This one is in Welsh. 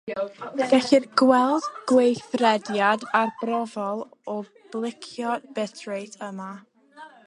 Gellir gweld gweithrediad arbrofol o blicio bitrate yma.